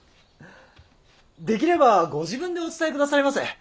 できればご自分でお伝えくださいませ。